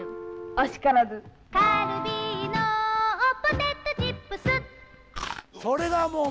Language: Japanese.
あしからずカルビーのポテトチップス